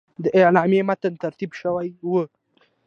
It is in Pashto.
د اعلامیې متن ترتیب شوی وو.